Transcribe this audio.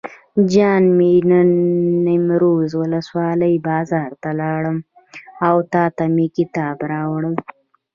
جان مې نن نیمروز ولسوالۍ بازار ته لاړم او تاته مې کتاب راوړل.